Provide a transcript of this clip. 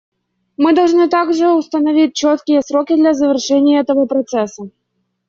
Мы должны также установить четкие сроки для завершения этого процесса.